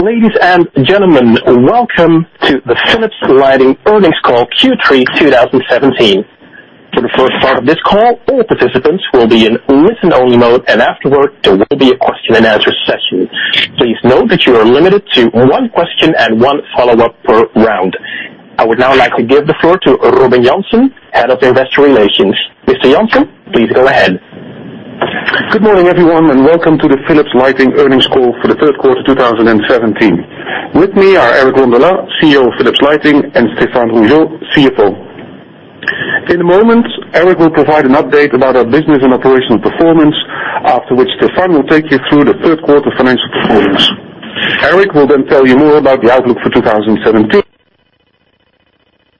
Ladies and gentlemen, welcome to the Philips Lighting earnings call Q3 2017. For the first part of this call, all participants will be in listen-only mode, and afterward, there will be a question and answer session. Please note that you are limited to one question and one follow-up per round. I would now like to give the floor to Robin Jansen, Head of Investor Relations. Mr. Jansen, please go ahead. Good morning, everyone, and welcome to the Philips Lighting earnings call for the third quarter 2017. With me are Eric Rondolat, CEO of Philips Lighting, and Stéphane Rougeot, CFO. In a moment, Eric will provide an update about our business and operational performance, after which Stéphane will take you through the third quarter financial performance. Eric will tell you more about the outlook for 2017. After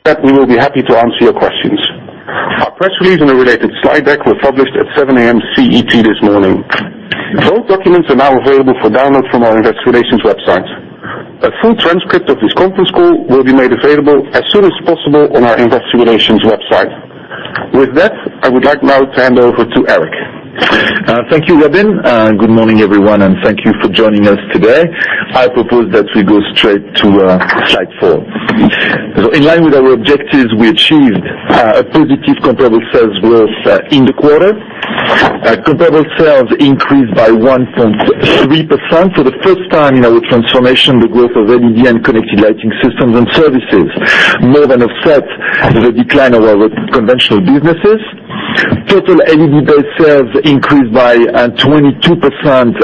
that, we will be happy to answer your questions. Our press release and the related slide deck were published at 7:00 A.M. CET this morning. Both documents are now available for download from our investor relations website. A full transcript of this conference call will be made available as soon as possible on our investor relations website. With that, I would like now to hand over to Eric. Thank you, Robin. Good morning, everyone, and thank you for joining us today. I propose that we go straight to slide four. In line with our objectives, we achieved a positive comparable sales growth in the quarter. Comparable sales increased by 1.3%. For the first time in our transformation, the growth of LED and connected lighting systems and services more than offset the decline of our conventional businesses. Total LED-based sales increased by 22%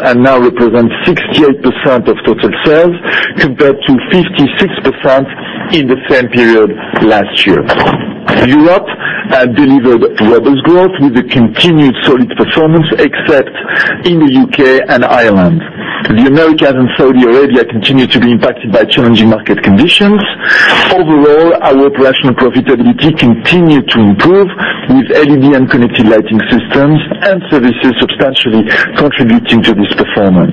and now represent 68% of total sales, compared to 56% in the same period last year. Europe delivered robust growth with a continued solid performance except in the U.K. and Ireland. The Americas and Saudi Arabia continue to be impacted by challenging market conditions. Overall, our operational profitability continued to improve with LED and connected lighting systems and services substantially contributing to this performance.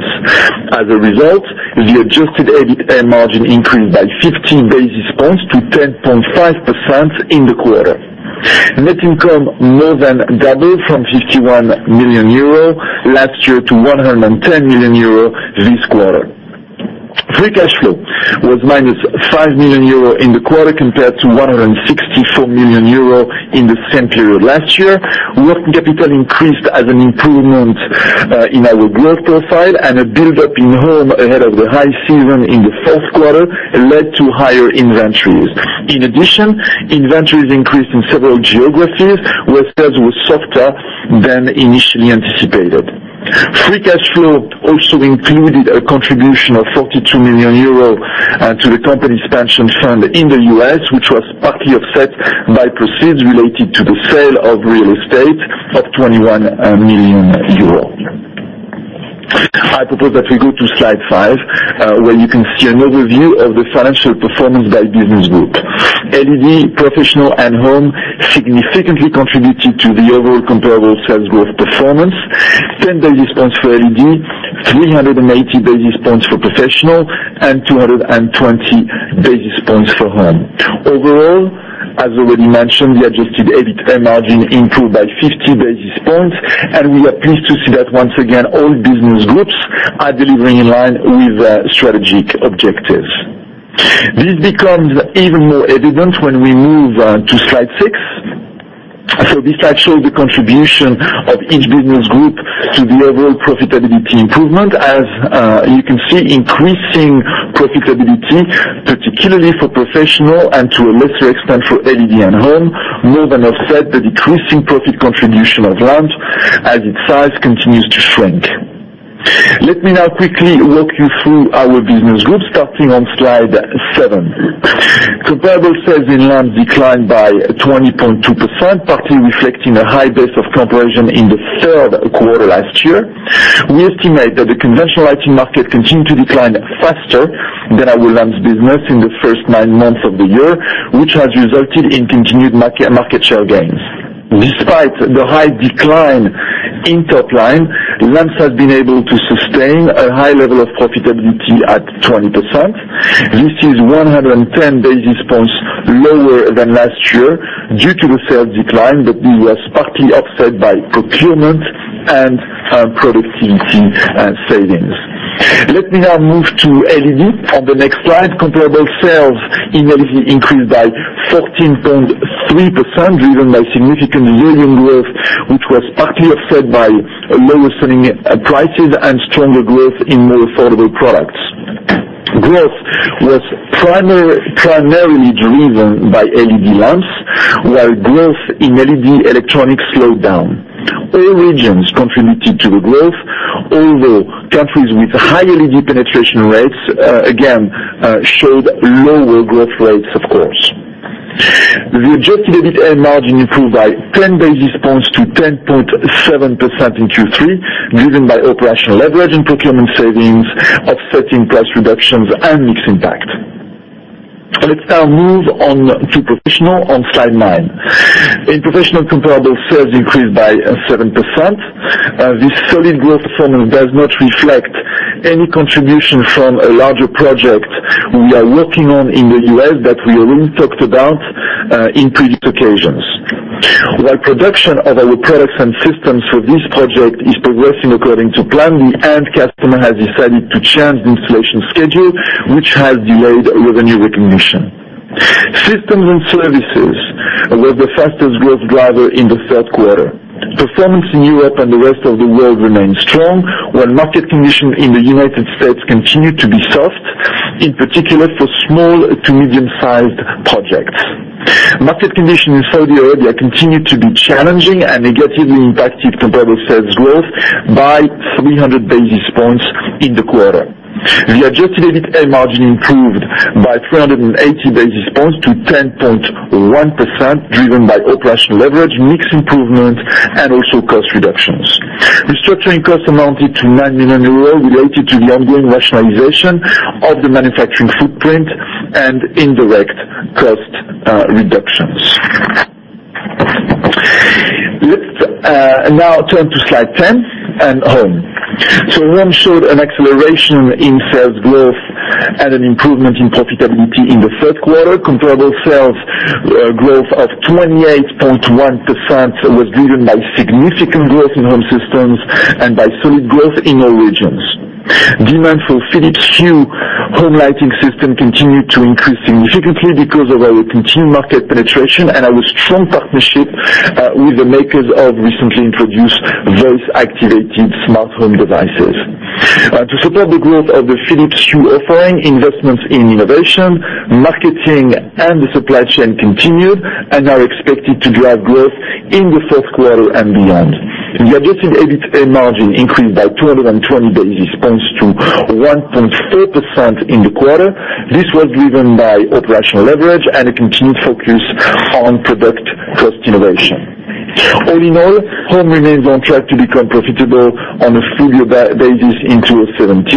As a result, the adjusted EBITA margin increased by 50 basis points to 10.5% in the quarter. Net income more than doubled from 51 million euro last year to 110 million euro this quarter. Free cash flow was minus 5 million euro in the quarter compared to 164 million euro in the same period last year. Working capital increased as an improvement in our growth profile and a buildup in Home ahead of the high season in the fourth quarter led to higher inventories. In addition, inventories increased in several geographies where sales were softer than initially anticipated. Free cash flow also included a contribution of 42 million euro to the company's pension fund in the U.S., which was partly offset by proceeds related to the sale of real estate of 21 million euro. I propose that we go to slide five, where you can see an overview of the financial performance by business group. LED, Professional, and Home significantly contributed to the overall comparable sales growth performance. 10 basis points for LED, 380 basis points for Professional, and 220 basis points for Home. Overall, as already mentioned, the adjusted EBITA margin improved by 50 basis points, and we are pleased to see that once again, all business groups are delivering in line with strategic objectives. This becomes even more evident when we move to slide six. This slide shows the contribution of each business group to the overall profitability improvement. As you can see, increasing profitability, particularly for Professional and to a lesser extent for LED and Home, more than offset the decreasing profit contribution of Lamps as its size continues to shrink. Let me now quickly walk you through our business groups, starting on slide seven. Comparable sales in Lamps declined by 20.2%, partly reflecting a high base of comparison in the third quarter last year. We estimate that the conventional lighting market continued to decline faster than our Lamps business in the first nine months of the year, which has resulted in continued market share gains. Despite the high decline in top line, Lamps have been able to sustain a high level of profitability at 20%. This is 110 basis points lower than last year due to the sales decline that was partly offset by procurement and productivity savings. Let me now move to LED on the next slide. Comparable sales in LED increased by 14.3%, driven by significant volume growth, which was partly offset by lower selling prices and stronger growth in more affordable products. Growth was primarily driven by LED lamps, while growth in LED electronics slowed down. All regions contributed to the growth, although countries with high LED penetration rates, again, showed lower growth rates, of course. The adjusted EBITA margin improved by 10 basis points to 10.7% in Q3, driven by operational leverage and procurement savings, offsetting price reductions and mix impact. Let's now move on to Professional on slide nine. In Professional, comparable sales increased by 7%. This solid growth performance does not reflect any contribution from a larger project we are working on in the U.S. that we already talked about in previous occasions. While production of our products and systems for this project is progressing according to plan, the end customer has decided to change the installation schedule, which has delayed revenue recognition. Systems and services were the fastest growth driver in the third quarter. Performance in Europe and the rest of the world remained strong while market condition in the United States continued to be soft, in particular for small to medium-sized projects. Market condition in Saudi Arabia continued to be challenging and negatively impacted comparable sales growth by 300 basis points in the quarter. The adjusted EBITA margin improved by 380 basis points to 10.1%, driven by operational leverage, mix improvements, and also cost reductions. Restructuring costs amounted to EUR 9 million related to the ongoing rationalization of the manufacturing footprint and indirect cost reductions. Let's now turn to slide 10 and Home. Home showed an acceleration in sales growth and an improvement in profitability in the third quarter. Comparable sales growth of 28.1% was driven by significant growth in Home systems and by solid growth in all regions. Demand for Philips Hue home lighting system continued to increase significantly because of our continued market penetration and our strong partnership with the makers of recently introduced voice-activated smart home devices. To support the growth of the Philips Hue offering, investments in innovation, marketing, and the supply chain continued and are expected to drive growth in the fourth quarter and beyond. The adjusted EBITA margin increased by 220 basis points to 1.4% in the quarter. This was driven by operational leverage and a continued focus on product cost innovation. All in all, Home remains on track to become profitable on a full-year basis in 2017,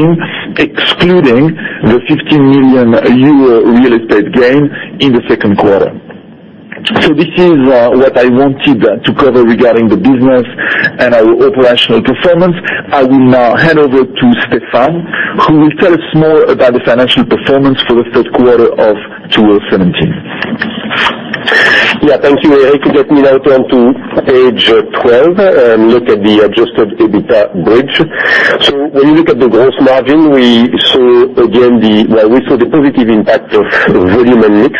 excluding the 15 million euro real estate gain in the second quarter. This is what I wanted to cover regarding the business and our operational performance. I will now hand over to Stéphane, who will tell us more about the financial performance for the third quarter of 2017. Thank you, Eric. Let me now turn to page 12 and look at the adjusted EBITA bridge. When we look at the gross margin, we saw the positive impact of volume and mix.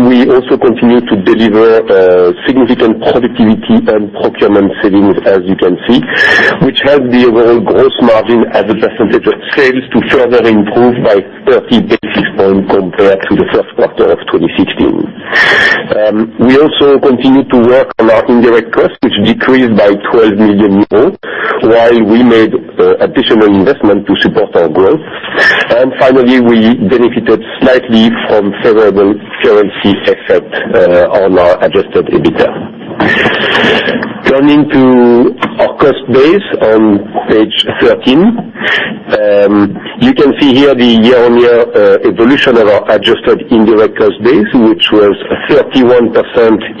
We also continue to deliver significant productivity and procurement savings, as you can see, which helped the overall gross margin as a percentage of sales to further improve by 30 basis points compared to the first quarter of 2016. We also continued to work on our indirect costs, which decreased by 12 million euros, while we made additional investment to support our growth. Finally, we benefited slightly from favorable currency effect on our adjusted EBITA. Turning to our cost base on page 13. You can see here the year-on-year evolution of our adjusted indirect cost base, which was 31%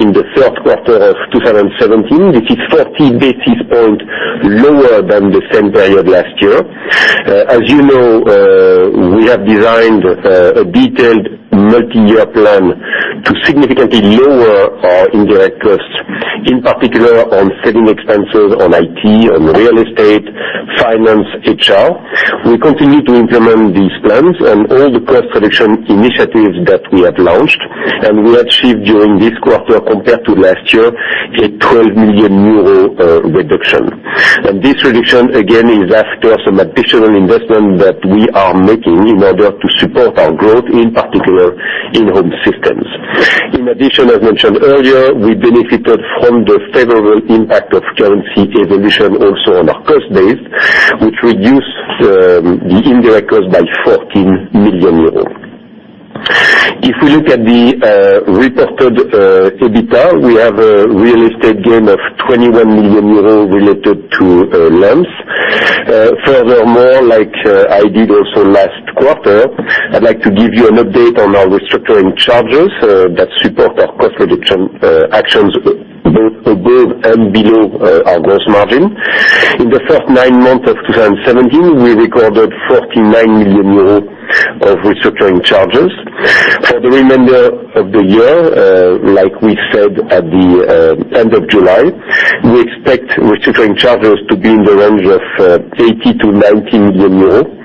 in the third quarter of 2017, which is 40 basis points lower than the same period last year. As you know, we have designed a detailed multi-year plan to significantly lower our indirect costs, in particular on selling expenses on IT, on real estate, finance, HR. We continue to implement these plans and all the cost reduction initiatives that we have launched. We achieved during this quarter, compared to last year, a 12 million euro reduction. This reduction, again, is after some additional investment that we are making in order to support our growth, in particular in Home systems. In addition, as mentioned earlier, we benefited from the favorable impact of currency evolution also on our cost base, which reduced the indirect cost by 14 million euros. If we look at the reported EBITA, we have a real estate gain of 21 million euros related to Lens. Furthermore, like I did also last quarter, I'd like to give you an update on our restructuring charges that support our cost reduction actions both above and below our gross margin. In the first nine months of 2017, we recorded 49 million euros of restructuring charges. For the remainder of the year, like we said at the end of July, we expect restructuring charges to be in the range of 80 million-90 million euros.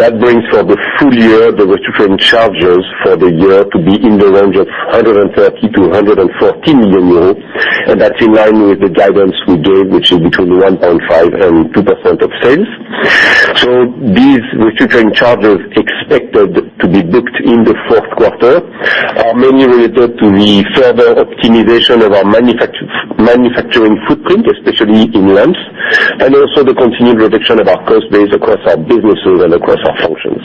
That brings for the full year, the restructuring charges for the year to be in the range of 130 million-140 million euros. That's in line with the guidance we gave, which is between 1.5% and 2% of sales. These restructuring charges expected to be booked in the fourth quarter are mainly related to the further optimization of our manufacturing footprint, especially in Lens, and also the continued reduction of our cost base across our businesses and across our functions.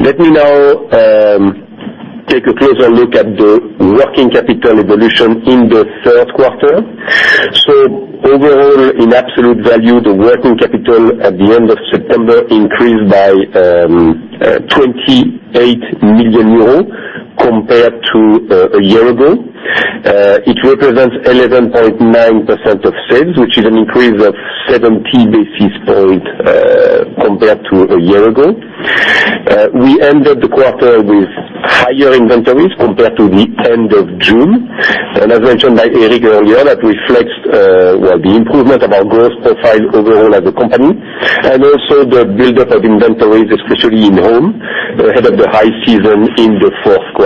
Let me now take a closer look at the working capital evolution in the third quarter. Overall, in absolute value, the working capital at the end of September increased by 28 million euros compared to a year ago. It represents 11.9% of sales, which is an increase of 70 basis points compared to a year ago. We ended the quarter with higher inventories compared to the end of June. As mentioned by Eric earlier, that reflects the improvement of our growth profile overall as a company, and also the buildup of inventories, especially in Home, ahead of the high season in the fourth quarter.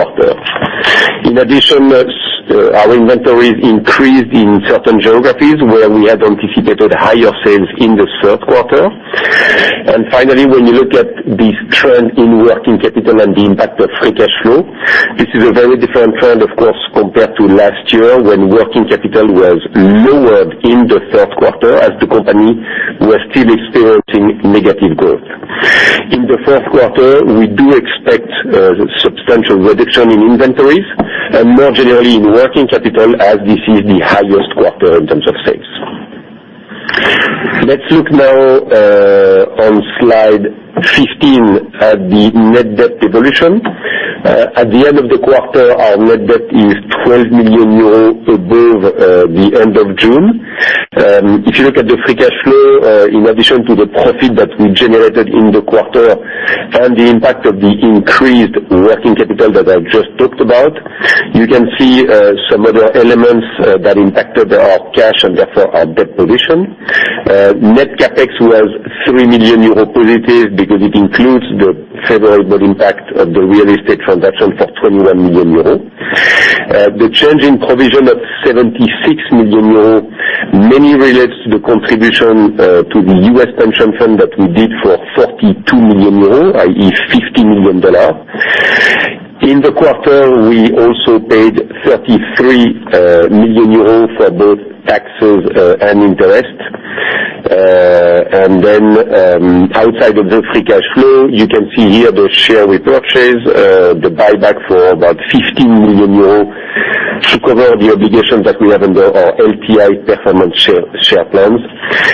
In addition, our inventories increased in certain geographies where we had anticipated higher sales in the third quarter. Finally, when you look at this trend in working capital and the impact of free cash flow, this is a very different trend, of course, compared to last year when working capital was lowered in the third quarter as the company was still experiencing negative growth. In the fourth quarter, we do expect a substantial reduction in inventories and more generally in working capital, as this is the highest quarter in terms of sales. Let's look now on slide 15 at the net debt evolution. At the end of the quarter, our net debt is 12 million euros above the end of June. If you look at the free cash flow, in addition to the profit that we generated in the quarter, and the impact of the increased working capital that I just talked about, you can see some other elements that impacted our cash and therefore our debt position. Net CapEx was 3 million euro positive because it includes the favorable impact of the real estate transaction for EUR 21 million. The change in provision of 76 million euros mainly relates to the contribution to the U.S. pension fund that we did for EUR 42 million, i.e., $50 million. In the quarter, we also paid 33 million euros for both taxes and interest. Then, outside of the free cash flow, you can see here the share repurchase, the buyback for about 15 million euro to cover the obligations that we have under our LTI performance share plans.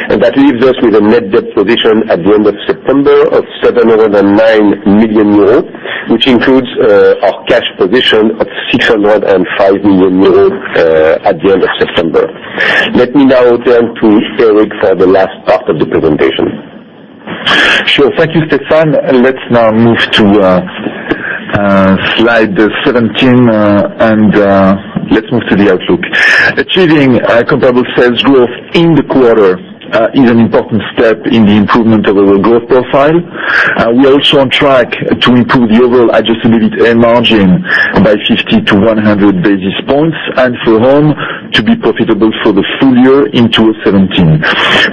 That leaves us with a net debt position at the end of September of 709 million euros, which includes our cash position of 605 million euros at the end of September. Let me now turn to Eric for the last part of the presentation. Sure. Thank you, Stéphane. Let's now move to slide 17. Let's move to the outlook. Achieving comparable sales growth in the quarter is an important step in the improvement of our growth profile. We are also on track to improve the overall adjusted EBITA margin by 50 to 100 basis points, and for Home to be profitable for the full year in 2017.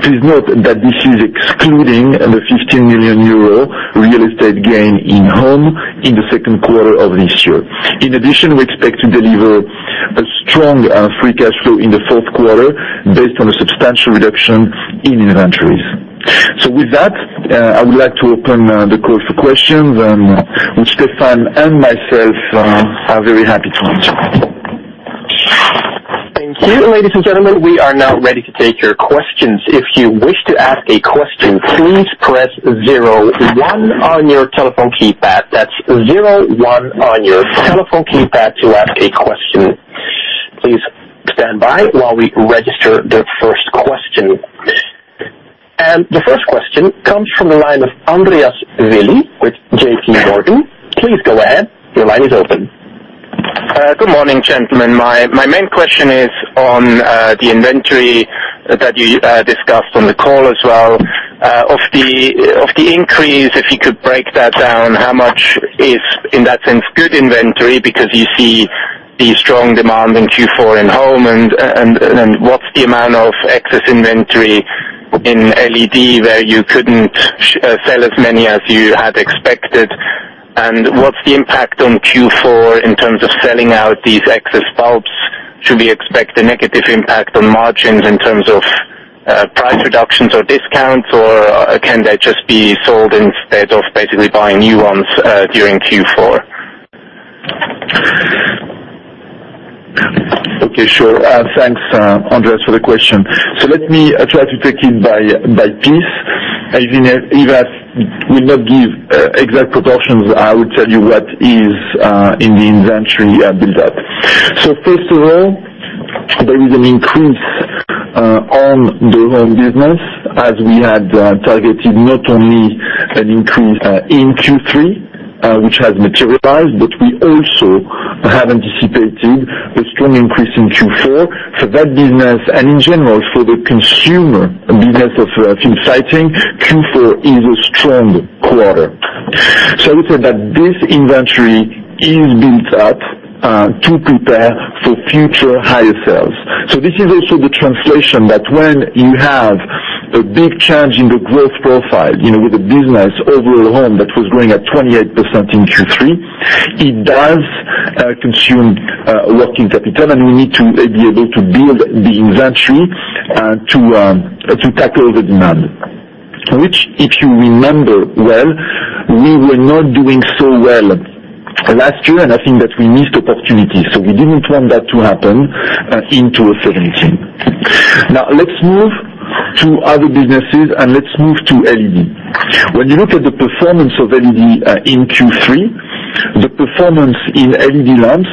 Please note that this is excluding the 15 million euro real estate gain in Home in the second quarter of this year. In addition, we expect to deliver a strong free cash flow in the fourth quarter based on a substantial reduction in inventories. With that, I would like to open the call for questions, which Stéphane and myself are very happy to answer. Thank you, ladies and gentlemen. We are now ready to take your questions. If you wish to ask a question, please press 01 on your telephone keypad. That's 01 on your telephone keypad to ask a question. Please stand by while we register the first question. The first question comes from the line of Andreas Willi with JPMorgan. Please go ahead. Your line is open. Good morning, gentlemen. My main question is on the inventory that you discussed on the call as well. Of the increase, if you could break that down, how much is in that sense good inventory because you see the strong demand in Q4 in Home, and what's the amount of excess inventory in LED where you couldn't sell as many as you had expected? What's the impact on Q4 in terms of selling out these excess bulbs? Should we expect a negative impact on margins in terms of price reductions or discounts, or can they just be sold instead of basically buying new ones during Q4? Okay, sure. Thanks, Andreas, for the question. Let me try to take it by piece. I will not give exact proportions. I will tell you what is in the inventory buildup. First of all, there is an increase on the Home business as we had targeted not only an increase in Q3, which has materialized, but we also have anticipated a strong increase in Q4 for that business. In general, for the consumer business of Philips Lighting, Q4 is a strong quarter. I would say that this inventory is built up to prepare for future higher sales. This is also the translation that when you have a big change in the growth profile, with a business overall Home that was growing at 28% in Q3, it does consume working capital, and we need to be able to build the inventory to tackle the demand. Which, if you remember well, we were not doing so well last year, and I think that we missed opportunities. We didn't want that to happen in 2017. Let's move to other businesses, and let's move to LED. When you look at the performance of LED in Q3, the performance in LED Lamps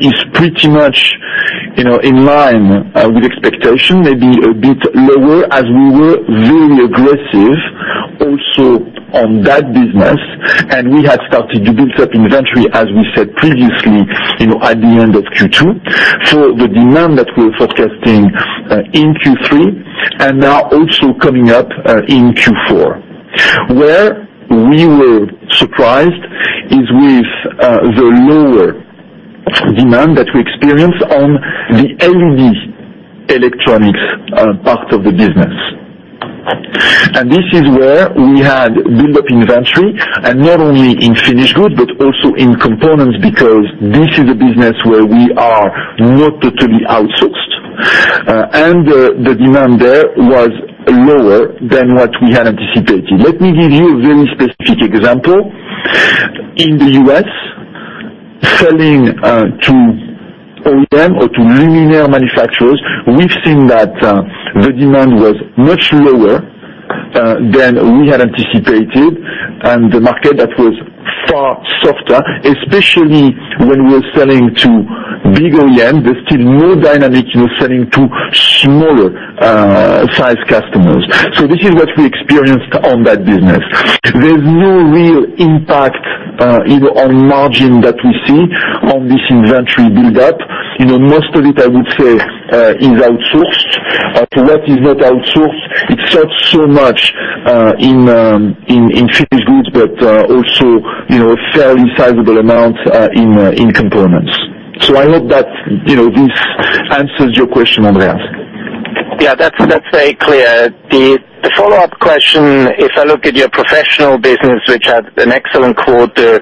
is pretty much in line with expectation, maybe a bit lower, as we were very aggressive also on that business. We had started to build up inventory, as we said previously, at the end of Q2. The demand that we're forecasting in Q3, and now also coming up in Q4. Where we were surprised is with the lower demand that we experience on the LED electronics part of the business. This is where we had build up inventory, and not only in finished goods, but also in components, because this is a business where we are not totally outsourced. The demand there was lower than what we had anticipated. Let me give you a very specific example. In the U.S., selling to OEM or to luminaire manufacturers, we've seen that the demand was much lower than we had anticipated, and the market that was far softer, especially when we're selling to big OEM. There's still more dynamic selling to smaller size customers. This is what we experienced on that business. There's no real impact on margin that we see on this inventory buildup. Most of it, I would say, is outsourced. To what is not outsourced, it serves so much in finished goods, but also, fairly sizable amounts in components. I hope that this answers your question, Andreas. Yeah, that's very clear. The follow-up question, if I look at your Professional business, which had an excellent quarter,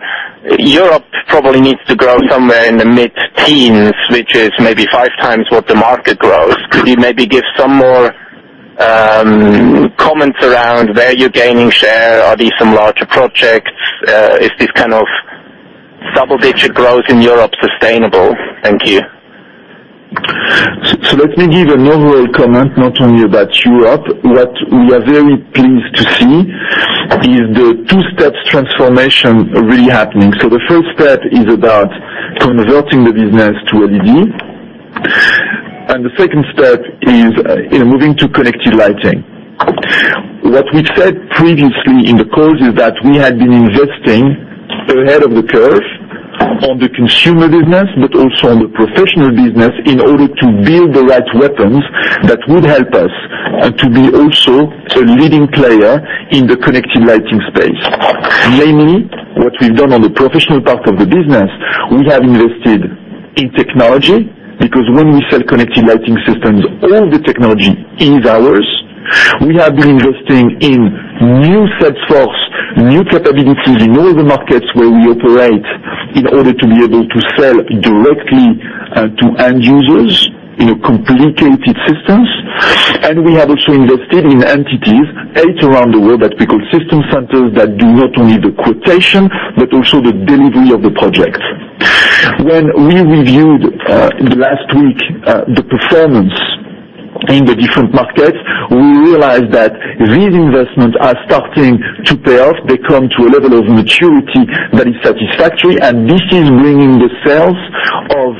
Europe probably needs to grow somewhere in the mid-teens, which is maybe five times what the market grows. Could you maybe give some more comments around where you're gaining share? Are these some larger projects? Is this kind of double-digit growth in Europe sustainable? Thank you. Let me give an overall comment, not only about Europe. What we are very pleased to see is the two-step transformation really happening. The first step is about converting the business to LED. The second step is moving to connected lighting. What we've said previously in the calls is that we had been investing ahead of the curve on the consumer business, but also on the Professional business, in order to build the right weapons that would help us to be also a leading player in the connected lighting space. Mainly, what we've done on the Professional part of the business, we have invested in technology, because when we sell connected lighting systems, all the technology is ours. We have been investing in new sales force, new capabilities in all the markets where we operate in order to be able to sell directly to end users in a complicated systems. We have also invested in entities, eight around the world that we call system centers, that do not only the quotation, but also the delivery of the project. When we reviewed, in the last week, the performance in the different markets, we realized that these investments are starting to pay off. They come to a level of maturity that is satisfactory, and this is bringing the sales of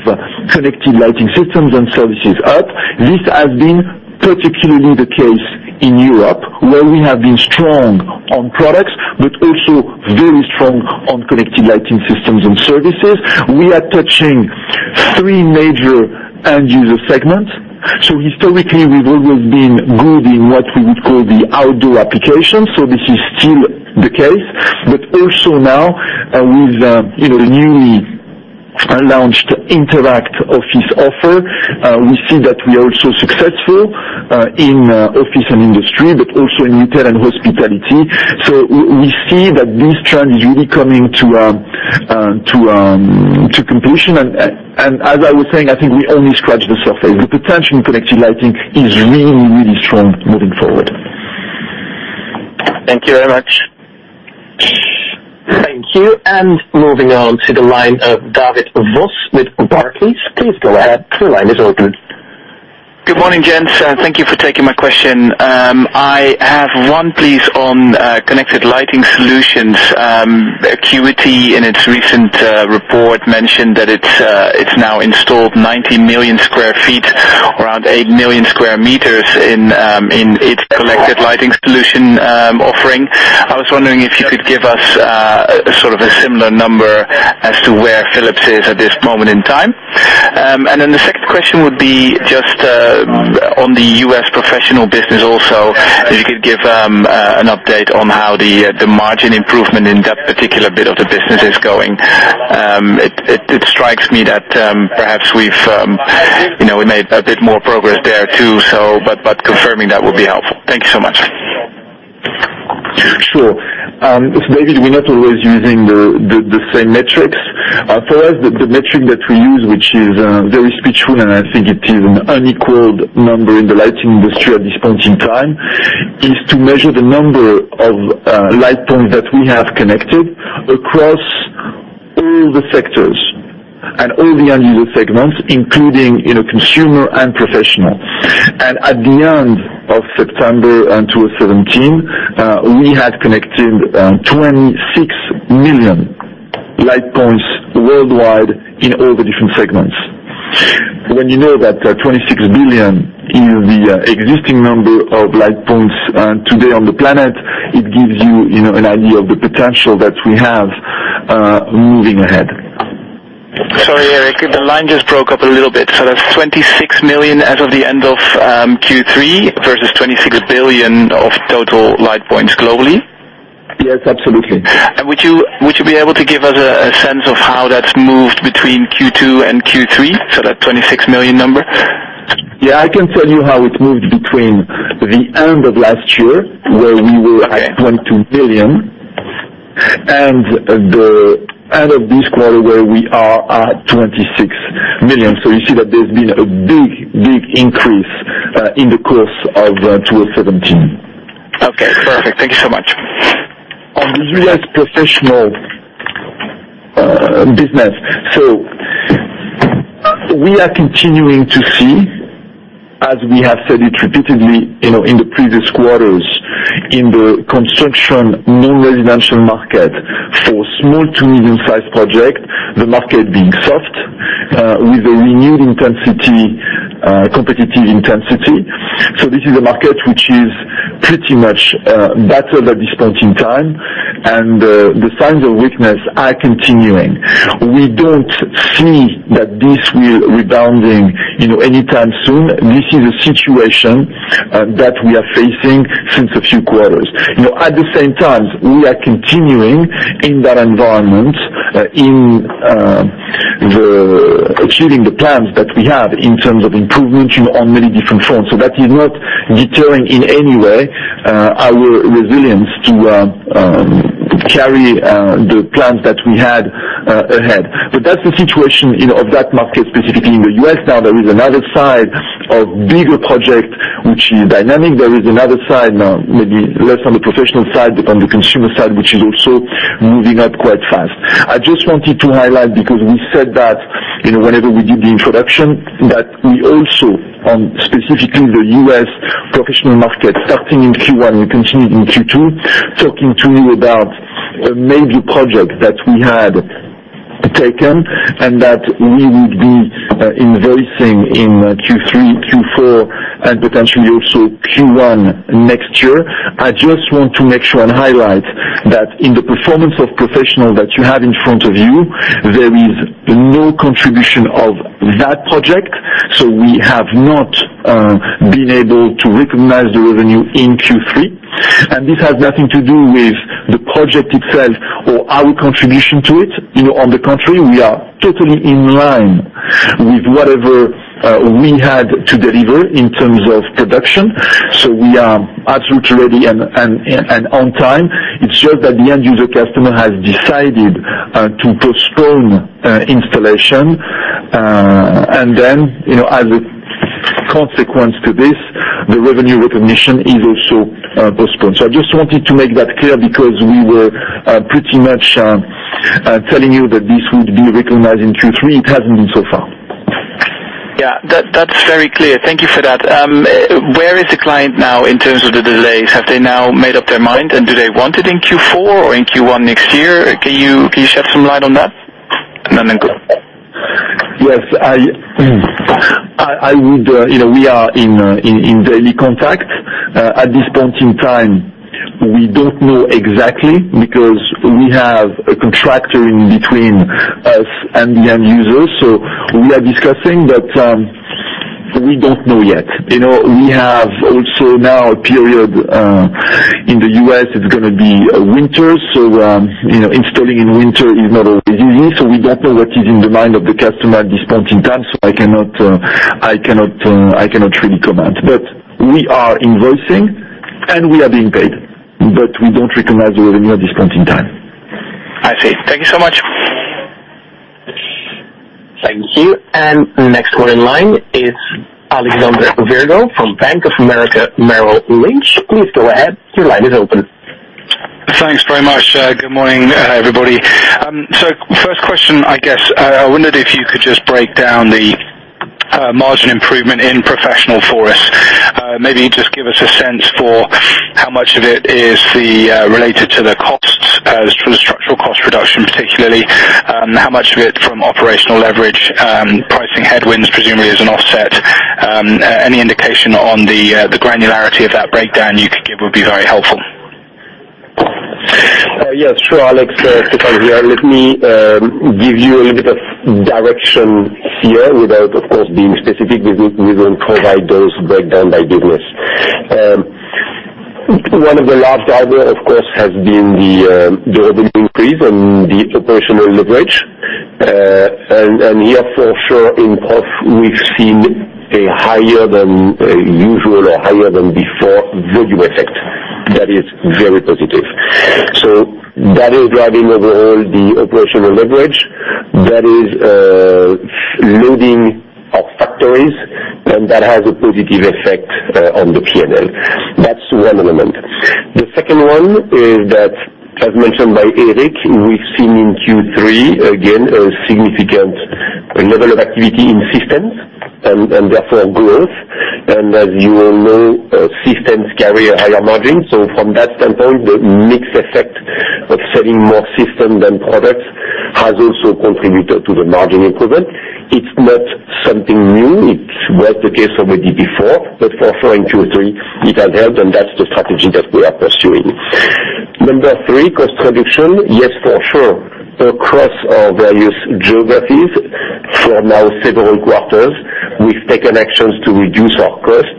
connected lighting systems and services up. This has been particularly the case in Europe, where we have been strong on products, but also very strong on connected lighting systems and services. We are touching three major end user segments. Historically, we've always been good in what we would call the outdoor application, this is still the case. Also now with the newly announced Interact Office offer, we see that we are also successful in office and industry, but also in hotel and hospitality. We see that this trend is really coming to completion, and as I was saying, I think we only scratch the surface. The potential in connected lighting is really, really strong moving forward. Thank you very much. Thank you. Moving on to the line of David Vos with Barclays. Please go ahead. Your line is open. Good morning, gents. Thank you for taking my question. I have one, please, on connected lighting solutions. Acuity in its recent report mentioned that it's now installed 90 million sq ft, around 8 million sq m in its connected lighting solution offering. I was wondering if you could give us sort of a similar number as to where Philips is at this moment in time. Then the second question would be just on the U.S. Professional business also. If you could give an update on how the margin improvement in that particular bit of the business is going. It strikes me that perhaps we've made a bit more progress there, too. Confirming that would be helpful. Thank you so much. Sure. David, we're not always using the same metrics. For us, the metric that we use, which is very meaningful, and I think it is an unequaled number in the lighting industry at this point in time, is to measure the number of light points that we have connected across all the sectors and all the end-user segments, including consumer and Professional. At the end of September 2017, we had connected 26 million light points worldwide in all the different segments. When you know that 26 billion is the existing number of light points today on the planet, it gives you an idea of the potential that we have moving ahead. Sorry, Eric. The line just broke up a little bit. That's 26 million as of the end of Q3 versus 26 billion of total light points globally? Yes, absolutely. Would you be able to give us a sense of how that's moved between Q2 and Q3, that 26 million number? Yes, I can tell you how it moved between the end of last year, where we were at 22 million, and the end of this quarter, where we are at 26 million. You see that there's been a big increase in the course of 2017. Okay, perfect. Thank you so much. On the U.S. Professional business. We are continuing to see, as we have said it repeatedly in the previous quarters, in the construction non-residential market for small to medium-size projects, the market being soft with a renewed competitive intensity. This is a market which is pretty much battered at this point in time, and the signs of weakness are continuing. We don't see that this will rebounding anytime soon. This is a situation that we are facing since a few quarters. At the same time, we are continuing in that environment in achieving the plans that we have in terms of improvement on many different fronts. That is not deterring in any way our resilience to carry the plans that we had ahead. That's the situation of that market specifically in the U.S. Now, there is another side of bigger project, which is dynamic. There is another side, now maybe less on the Professional side, but on the Home side, which is also moving up quite fast. I just wanted to highlight because we said that whenever we did the introduction, that we also on specifically the U.S. Professional market, starting in Q1, we continued in Q2, talking to you about a major project that we had taken and that we would be invoicing in Q3, Q4, and potentially also Q1 next year. I just want to make sure and highlight that in the performance of Professional that you have in front of you, there is no contribution of that project. We have not been able to recognize the revenue in Q3. This has nothing to do with the project itself or our contribution to it. On the contrary, we are totally in line with whatever we had to deliver in terms of production. We are absolutely ready and on time. It's just that the end user customer has decided to postpone installation. As a consequence to this, the revenue recognition is also postponed. I just wanted to make that clear because we were pretty much telling you that this would be recognized in Q3. It hasn't been so far. Yeah. That's very clear. Thank you for that. Where is the client now in terms of the delays? Have they now made up their mind, and do they want it in Q4 or in Q1 next year? Can you shed some light on that? Go. Yes. We are in daily contact. At this point in time, we don't know exactly because we have a contractor in between us and the end user. We are discussing. We don't know yet. We have also now a period in the U.S., it's going to be winter. Installing in winter is not always easy. We don't know what is in the mind of the customer at this point in time. I cannot really comment. We are invoicing, and we are being paid. We don't recognize the revenue at this point in time. I see. Thank you so much. Thank you. Next one in line is Alexandre Virgo from Bank of America Merrill Lynch. Please go ahead. Your line is open. Thanks very much. Good morning, everybody. First question, I guess. I wondered if you could just break down the margin improvement in Professional for us. Maybe just give us a sense for how much of it is related to the structural cost reduction, particularly, and how much of it from operational leverage. Pricing headwinds presumably is an offset. Any indication on the granularity of that breakdown you could give would be very helpful. Yes, sure, Alex. Stéphane here. Let me give you a little bit of direction here without, of course, being specific. We don't provide those breakdown by business. One of the large drivers, of course, has been the revenue increase and the operational leverage. Here for sure in Healthcare, we've seen a higher than usual or higher than before volume effect that is very positive. That is driving overall the operational leverage. That has a positive effect on the P&L. That's one element. The second one is that, as mentioned by Eric, we've seen in Q3, again, a significant level of activity in systems and therefore growth. As you all know, systems carry a higher margin. From that standpoint, the mix effect of selling more systems than products has also contributed to the margin improvement. It's not something new. It was the case already before, but for sure in Q3 it has helped, and that's the strategy that we are pursuing. Number three, cost reduction. Yes, for sure. Across our various geographies for now several quarters, we've taken actions to reduce our cost.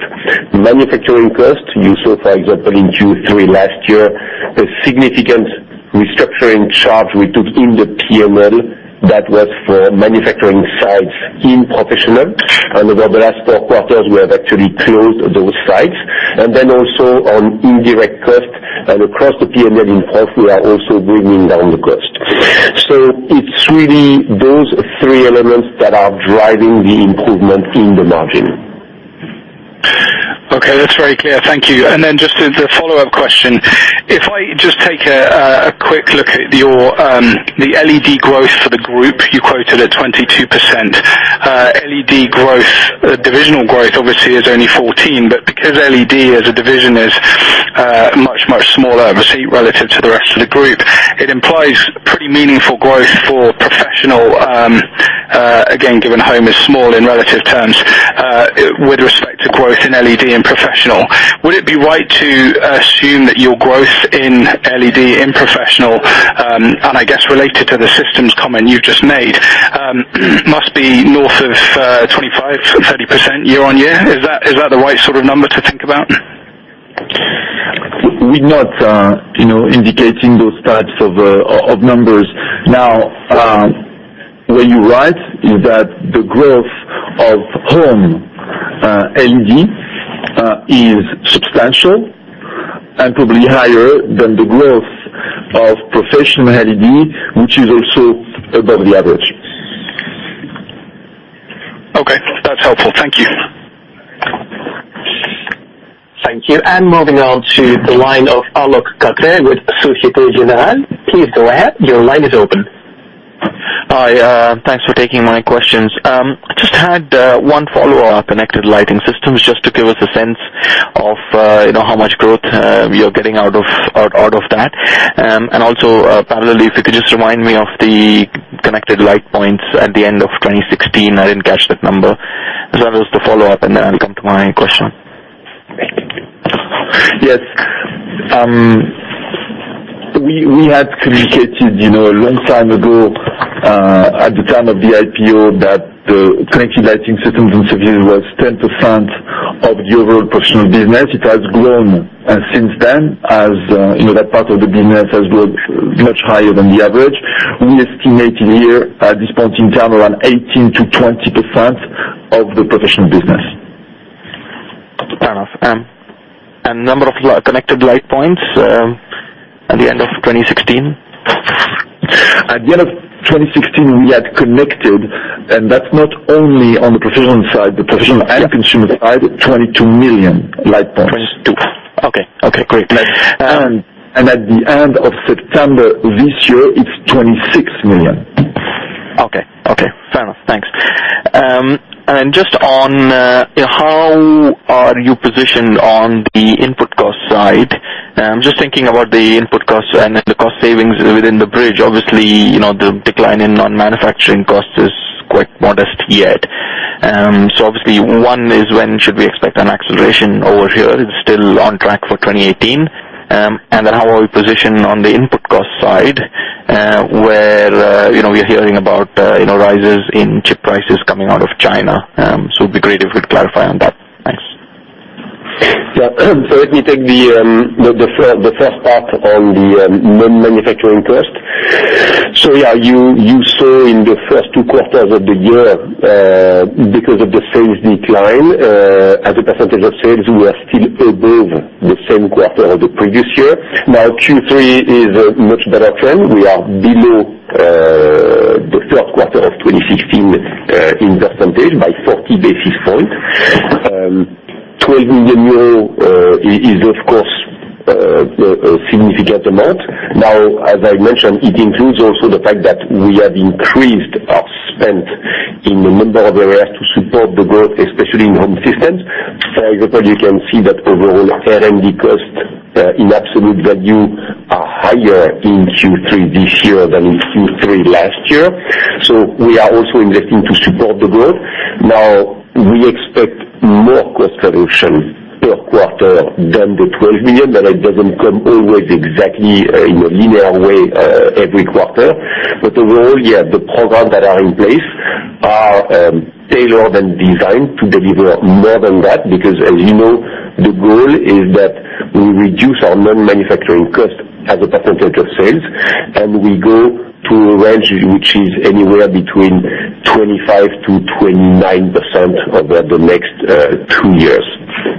Manufacturing cost, you saw, for example, in Q3 last year, a significant restructuring charge we took in the P&L that was for manufacturing sites in Professional. Over the last four quarters, we have actually closed those sites. Also on indirect cost and across the P&L in Healthcare, we are also bringing down the cost. It's really those three elements that are driving the improvement in the margin. Okay. That's very clear. Thank you. Then just the follow-up question. If I just take a quick look at the LED growth for the group, you quoted at 22%. LED growth, divisional growth, obviously is only 14%, but because LED as a division is much, much smaller, obviously, relative to the rest of the group, it implies pretty meaningful growth for Professional. Again, given Home is small in relative terms, with respect to growth in LED and Professional, would it be right to assume that your growth in LED, in Professional, and I guess related to the systems comment you just made, must be north of 25%-30% year-over-year. Is that the right sort of number to think about? We're not indicating those types of numbers. Where you're right is that the growth of Home LED is substantial and probably higher than the growth of Professional LED, which is also above the average. Okay. That's helpful. Thank you. Thank you. Moving on to the line of Alok Katre with Societe Generale. Please go ahead. Your line is open. Hi. Thanks for taking my questions. I just had one follow-up on connected lighting systems, just to give us a sense of how much growth you're getting out of that. Also, parallelly, if you could just remind me of the connected light points at the end of 2016, I didn't catch that number. As well as the follow-up, and then I'll come to my question. Yes. We had communicated a long time ago, at the time of the IPO, that the connected lighting systems and services was 10% of the overall Professional business. It has grown since then, as that part of the business has grown much higher than the average. We estimate in here, at this point in time, around 18%-20% of the Professional business. Fair enough. Number of connected light points at the end of 2016? At the end of 2016, we had connected, and that's not only on the Professional side, the Professional and consumer side, 22 million light points. 22. Okay, great. At the end of September this year, it's 26 million. Okay. Fair enough. Thanks. Just on how are you positioned on the input cost side? I'm just thinking about the input cost and the cost savings within the bridge. Obviously, the decline in non-manufacturing costs is quite modest yet. Obviously, one is when should we expect an acceleration over here? It's still on track for 2018. Then how are we positioned on the input cost side, where we're hearing about rises in chip prices coming out of China. It'd be great if you'd clarify on that. Thanks. Yeah. Let me take the first part on the non-manufacturing cost. Yeah, you saw in the first two quarters of the year, because of the sales decline, as a percentage of sales, we are still above the same quarter of the previous year. Q3 is a much better trend. We are below the third quarter of 2016 in that percentage by 40 basis points. 12 million euros is, of course, a significant amount. As I mentioned, it includes also the fact that we have increased our spend in a number of areas to support the growth, especially in Home systems. For example, you can see that overall R&D cost in absolute value are higher in Q3 this year than in Q3 last year. We are also investing to support the growth. We expect more cost reduction per quarter than the 12 million, but it doesn't come always exactly in a linear way every quarter. Overall, yeah, the programs that are in place are tailored and designed to deliver more than that because, as you know, the goal is that we reduce our non-manufacturing cost as a percentage of sales, and we go to a range which is anywhere between 25%-29% over the next two years.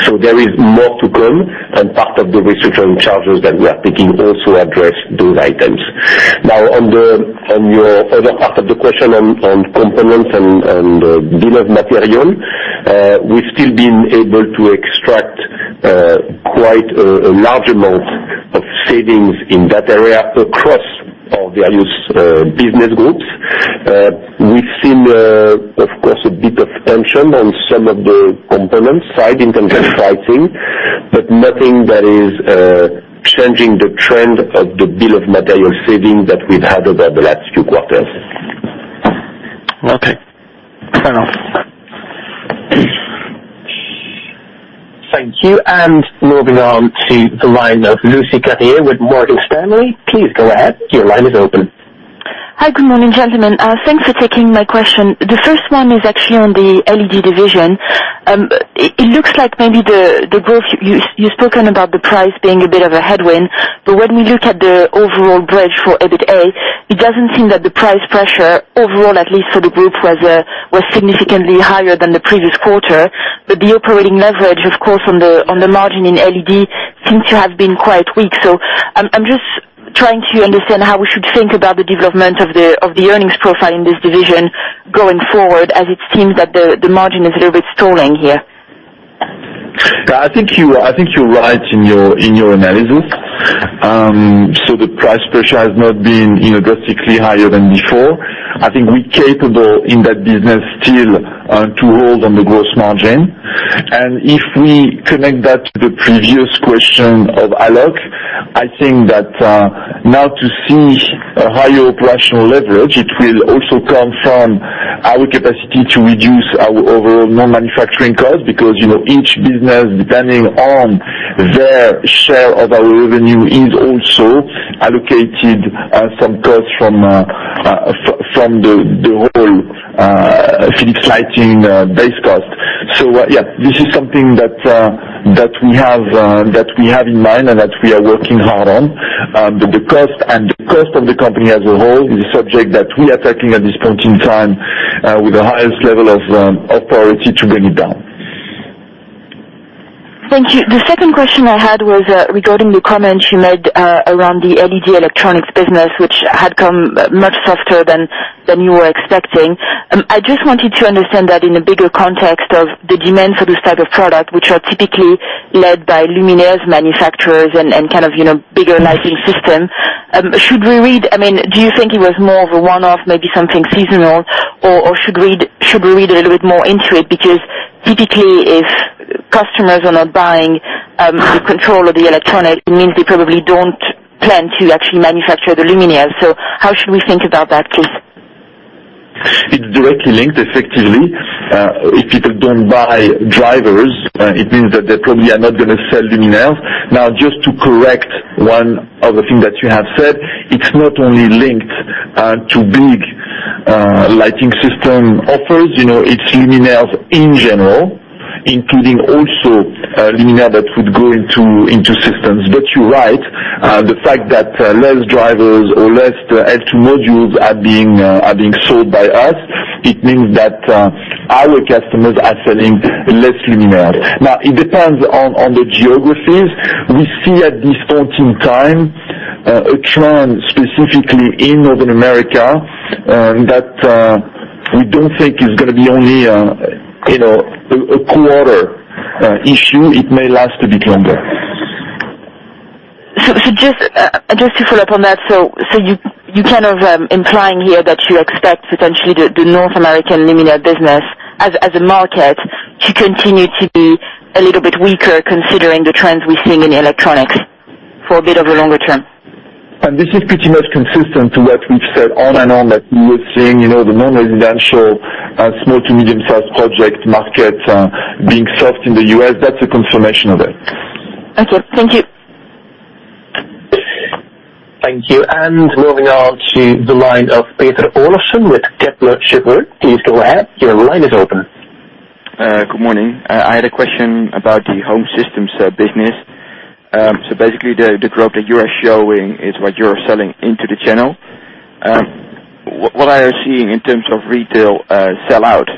There is more to come and part of the restructuring charges that we are taking also address those items. On your other part of the question on components and bill of material, we've still been able to extract quite a large amount of savings in that area across our various business groups. We've seen, of course, a bit of tension on some of the components side in terms of pricing, nothing that is changing the trend of the bill of material saving that we've had over the last few quarters. Okay. Fair enough. Thank you. Moving on to the line of Lucie Cartier with Morgan Stanley. Please go ahead. Your line is open. Hi. Good morning, gentlemen. Thanks for taking my question. The first one is actually on the LED division. It looks like maybe the growth, you've spoken about the price being a bit of a headwind, but when we look at the overall bridge for EBITA, it doesn't seem that the price pressure overall, at least for the group, was significantly higher than the previous quarter. The operating leverage, of course, on the margin in LED seems to have been quite weak. I'm just trying to understand how we should think about the development of the earnings profile in this division going forward as it seems that the margin is a little bit stalling here. I think you're right in your analysis. The price pressure has not been drastically higher than before. I think we're capable in that business still to hold on the gross margin. If we connect that to the previous question of Alok, I think that now to see a higher operational leverage, it will also come from our capacity to reduce our overall non-manufacturing cost. Because each business, depending on their share of our revenue, is also allocated some costs from the whole Philips Lighting base cost. This is something that we have in mind and that we are working hard on. The cost and the cost of the company as a whole is a subject that we are tackling at this point in time with the highest level of priority to bring it down. Thank you. The second question I had was regarding the comments you made around the LED electronics business, which had come much softer than you were expecting. I just wanted to understand that in a bigger context of the demand for this type of product, which are typically led by luminaires manufacturers and bigger lighting system. Do you think it was more of a one-off, maybe something seasonal, or should we read a little bit more into it? Because typically if customers are not buying the control of the electronics, it means they probably don't plan to actually manufacture the luminaire. How should we think about that, please? It's directly linked, effectively. If people don't buy drivers, it means that they probably are not going to sell luminaires. Just to correct one other thing that you have said, it's not only linked to big lighting system offers. It's luminaires in general, including also a luminaire that would go into systems. You're right, the fact that less drivers or less LED modules are being sold by us, it means that our customers are selling less luminaires. It depends on the geographies. We see at this point in time a trend specifically in Northern America that we don't think is going to be only a quarter issue. It may last a bit longer. Just to follow up on that, you kind of implying here that you expect potentially the North American luminaire business as a market to continue to be a little bit weaker considering the trends we're seeing in electronics for a bit of a longer term? This is pretty much consistent to what we've said on and on that we were seeing the non-residential small to medium size project market being soft in the U.S. That's a confirmation of it. Okay. Thank you. Thank you. Moving on to the line of Peter Olofsen with Kepler Cheuvreux. Please go ahead. Your line is open. Good morning. I had a question about the Home systems business. Basically the growth that you are showing is what you're selling into the channel. What are you seeing in terms of retail sell out?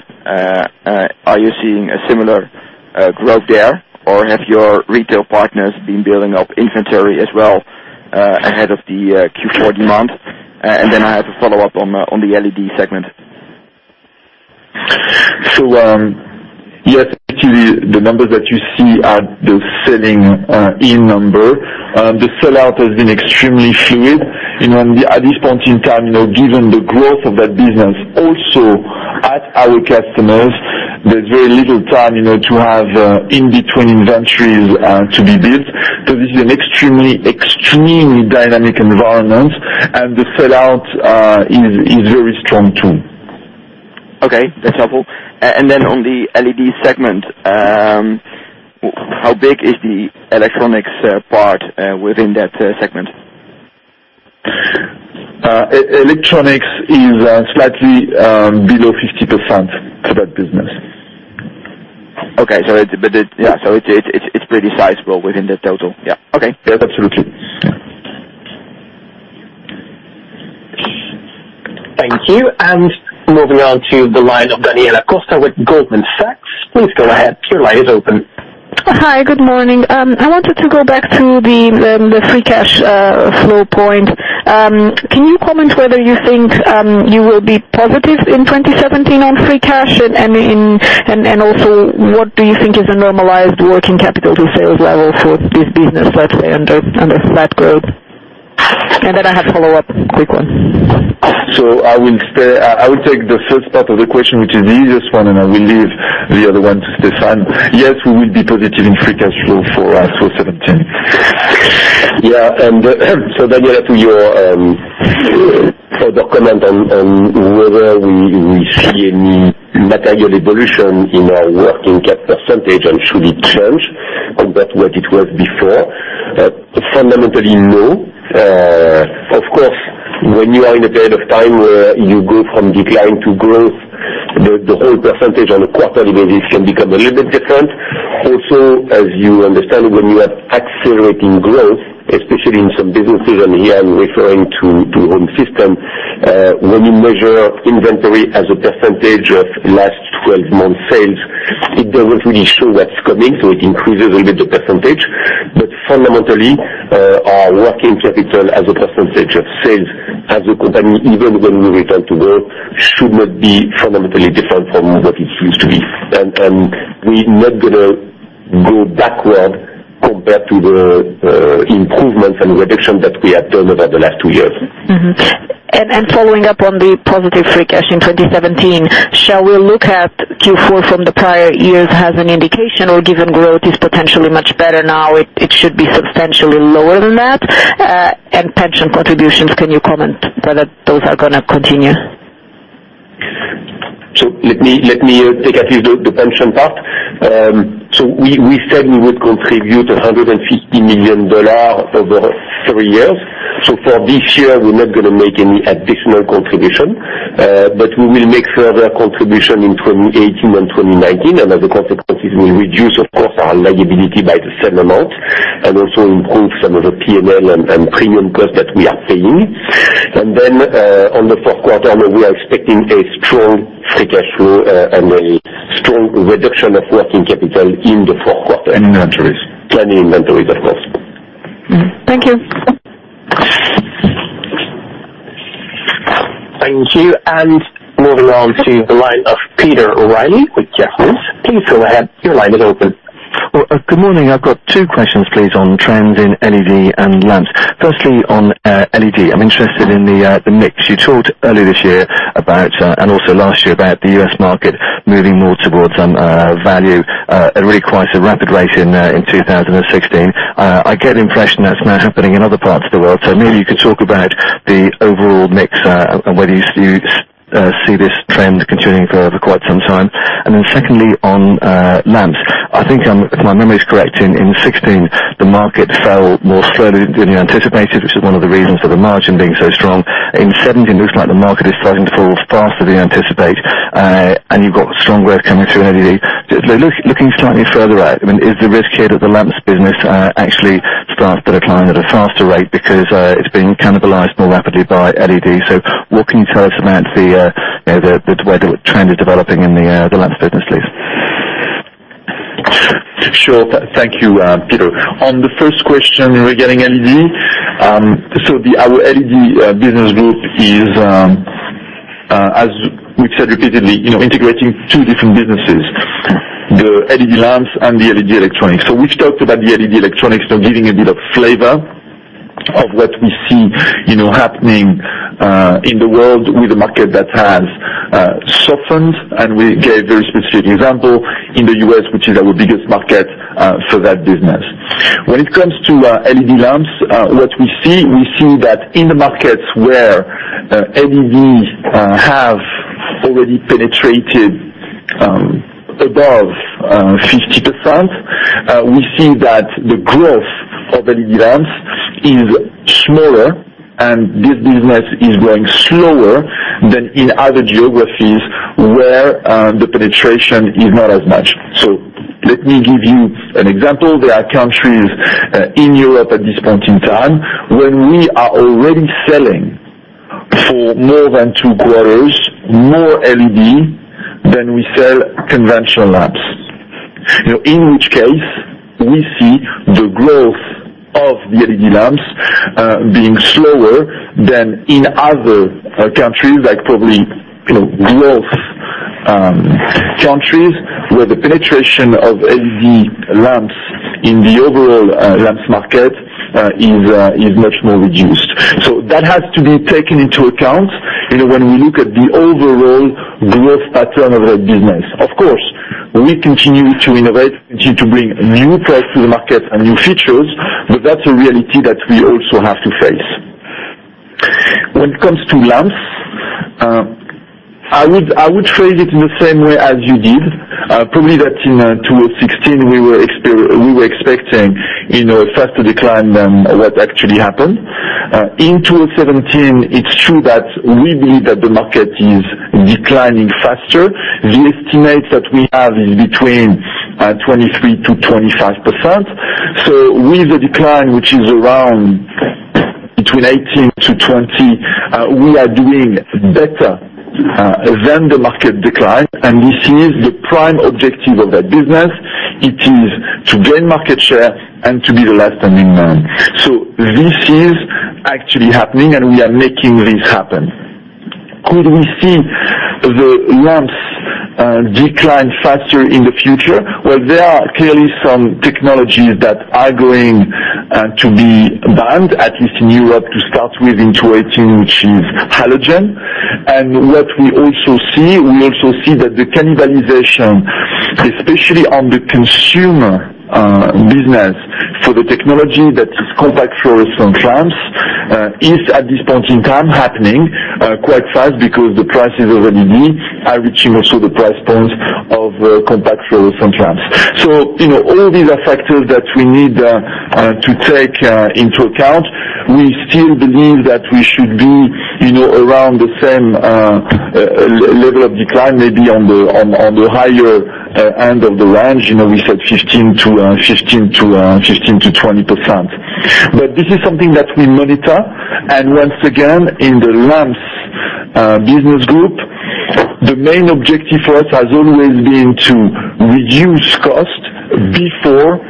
Are you seeing a similar growth there, or have your retail partners been building up inventory as well ahead of the Q4 demand? I have a follow-up on the LED segment. Yes, actually the numbers that you see are the selling in number. The sell out has been extremely fluid. At this point in time, given the growth of that business also at our customers, there's very little time to have in-between inventories to be built. This is an extremely dynamic environment, and the sell out is very strong too. Okay. That's helpful. On the LED segment, how big is the electronics part within that segment? Electronics is slightly below 50% for that business. Okay. It's pretty sizable within the total. Yeah. Okay. Yes, absolutely. Thank you. Moving on to the line of Daniela Costa with Goldman Sachs. Please go ahead. Your line is open. Hi. Good morning. I wanted to go back to the free cash flow point. Can you comment whether you think you will be positive in 2017 on free cash? Also, what do you think is a normalized working capital to sales level for this business, let's say under flat growth? Then I have follow-up quick one. I will take the first part of the question, which is the easiest one, and I will leave the other one to Stéphane. Yes, we will be positive in free cash flow for our full 2017. Daniela, to your further comment on whether we see any material evolution in our working cap % and should it change compared to what it was before, fundamentally, no. Of course, when you are in a period of time where you go from decline to growth, the whole % on a quarterly basis can become a little bit different. As you understand, when you are accelerating growth, especially in some businesses, and here I'm referring to Home, when you measure inventory as a % of last 12 months sales, it doesn't really show what's coming, so it increases a little bit the %. Fundamentally, our working capital as a % of sales as a company, even when we return to growth, should not be fundamentally different from what it used to be. We're not going to go backward compared to the improvements and reduction that we have done over the last two years. Following up on the positive free cash in 2017, shall we look at Q4 from the prior years as an indication or given growth is potentially much better now, it should be substantially lower than that? Pension contributions, can you comment whether those are going to continue? Let me take at least the pension part. We said we would contribute EUR 150 million over three years. For this year, we're not going to make any additional contribution. We will make further contribution in 2018 and 2019, and as a consequence, we will reduce, of course, our liability by the same amount and also improve some of the P&L and premium cost that we are paying. On the fourth quarter, we are expecting a strong free cash flow and a strong reduction of working capital in the fourth quarter. Inventories. Planning inventories, of course. Thank you. Thank you. Moving on to the line of Peter O'Reilly with Jefferies. Please go ahead. Your line is open. Good morning. I've got two questions, please, on trends in LED and Lamps. Firstly, on LED, I'm interested in the mix. You talked earlier this year and also last year about the U.S. market moving more towards some value at really quite a rapid rate in 2016. I get the impression that's now happening in other parts of the world. Maybe you could talk about the overall mix and whether you see this trend continuing for quite some time. Secondly, on Lamps. I think if my memory is correct, in 2016, the market fell more slowly than you anticipated, which is one of the reasons for the margin being so strong. In 2017, looks like the market is starting to fall faster than you anticipate, and you've got strong growth coming through in LED. Looking slightly further out, is the risk here that the Lamps business actually starts to decline at a faster rate because it's being cannibalized more rapidly by LED? What can you tell us about the way the trend is developing in the Lamps business, please? Sure. Thank you, Peter. On the first question regarding LED, our LED business group is, as we've said repeatedly, integrating two different businesses, the LED Lamps and the LED electronics. We've talked about the LED electronics, giving a bit of flavor of what we see happening in the world with a market that has softened, and we gave very specific example in the U.S., which is our biggest market for that business. When it comes to LED Lamps, what we see, we see that in the markets where LED have already penetrated above 50%, we see that the growth of LED Lamps is smaller, and this business is growing slower than in other geographies where the penetration is not as much. Let me give you an example. There are countries in Europe at this point in time where we are already selling for more than two quarters, more LED than we sell conventional Lamps. In which case, we see the growth of the LED Lamps being slower than in other countries, like probably growth countries, where the penetration of LED Lamps in the overall Lamps market is much more reduced. That has to be taken into account when we look at the overall growth pattern of that business. Of course, we continue to innovate, continue to bring new products to the market and new features, but that's a reality that we also have to face. When it comes to Lamps, I would phrase it in the same way as you did. Probably that in 2016, we were expecting faster decline than what actually happened. In 2017, it's true that we believe that the market is Declining faster. The estimates that we have is between 23%-25%. With the decline, which is around 18%-20%, we are doing better than the market decline, and this is the prime objective of that business. It is to gain market share and to be the last standing man. This is actually happening and we are making this happen. Could we see the Lamps decline faster in the future? Well, there are clearly some technologies that are going to be banned, at least in Europe, to start with in 2018, which is halogen. What we also see, we also see that the cannibalization, especially on the consumer business for the technology that is compact fluorescent lamps is at this point in time happening quite fast because the prices of LED are reaching also the price point of compact fluorescent lamps. All these are factors that we need to take into account. We still believe that we should be around the same level of decline, maybe on the higher end of the range. We said 15%-20%. This is something that we monitor. Once again, in the Lamps business group, the main objective for us has always been to reduce cost before